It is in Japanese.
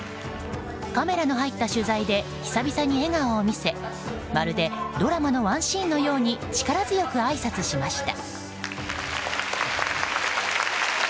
カメラの入った取材で久々に笑顔を見せまるでドラマのワンシーンのように力強くあいさつしました。